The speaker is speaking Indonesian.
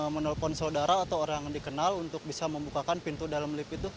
menelpon saudara atau orang yang dikenal untuk bisa membukakan pintu dalam lift itu